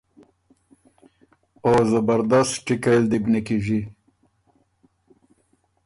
او زبردست ټیکئ ل دی بو نیکیݫی۔